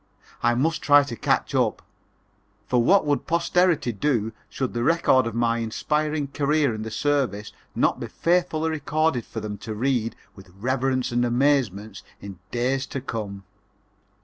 I must try to catch up, for what would posterity do should the record of my inspiring career in the service not be faithfully recorded for them to read with reverence and amazement in days to come?